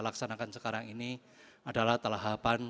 laksanakan sekarang ini adalah tahapan